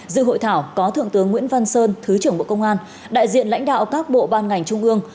dự hội thảo có thượng tướng nguyễn văn sơn thứ trưởng bộ công an đại diện lãnh đạo các bộ ban ngành trung ương